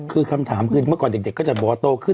คือคำถามคือเมื่อก่อนเด็กก็จะบอกว่าโตขึ้น